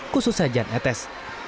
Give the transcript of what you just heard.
khususnya jan entes